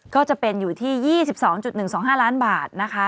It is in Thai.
ก็จะเป็นอยู่ที่๒๒๑๒๕ล้านบาทนะคะ